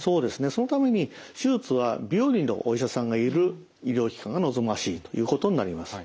そのために手術は病理のお医者さんがいる医療機関が望ましいということになります。